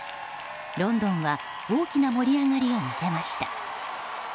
ロンドンは大きな盛り上がりを見せました。